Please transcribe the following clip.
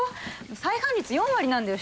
再犯率４割なんだよ？